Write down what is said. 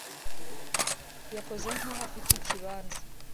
yakoze nkaho afite ikibanza